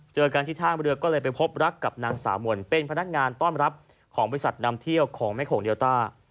เจอกันที่ท่ามเรือก็เลยไปพบรักกับนางสาวมนเป็นพนักงานต้อนรับของบริษัทนำเที่ยวของแม่โขงเดลต้า